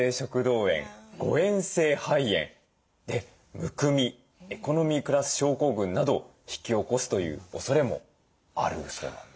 えん性肺炎むくみエコノミークラス症候群などを引き起こすというおそれもあるそうなんですね。